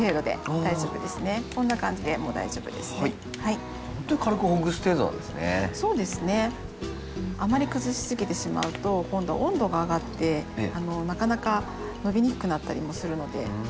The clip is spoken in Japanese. あまり崩しすぎてしまうと今度温度が上がってなかなか伸びにくくなったりもするので。